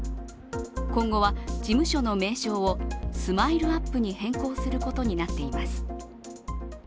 今後は、事務所の名称をＳＭＩＬＥ−ＵＰ．に変更することになっています。